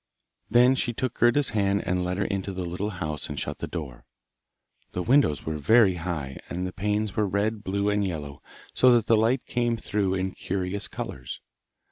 She then took Gerda's hand and led her into the little house and shut the door. The windows were very high, and the panes were red, blue, and yellow, so that the light came through in curious colours.